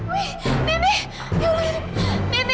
wi nini ya allah nini